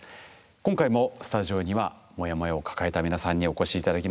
今回もスタジオにはモヤモヤを抱えた皆さんにお越し頂きました。